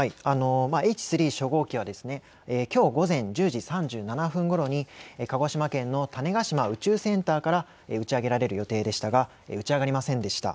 Ｈ３初号機はきょう午前１０時３７分ごろに鹿児島県の種子島宇宙センターから打ち上げられる予定でしたが打ち上がりませんでした。